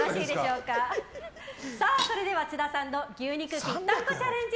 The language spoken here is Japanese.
それでは津田さんの牛肉ぴったんこチャレンジ